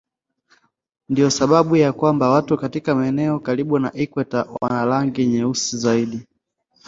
Ndiyo sababu ya kwamba watu katika maeneo karibu na ikweta wana rangi nyeusi zaidi.